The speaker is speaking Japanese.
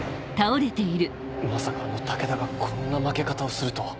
まさかあの武田がこんな負け方をするとは。